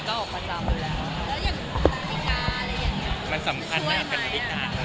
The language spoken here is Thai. แล้วอย่างราธิกาอะไรอย่างนี้มันช่วยไหม